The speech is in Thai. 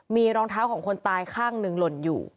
มีรองเท้าของคนตายข้างหนึ่งหล่นอยู่